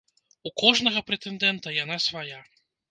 У кожнага прэтэндэнта яна свая.